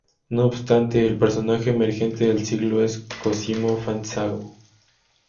No obstante, el personaje emergente del siglo es Cosimo Fanzago.